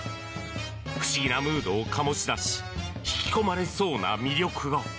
不思議なムードを醸し出し引き込まれそうな魅力が。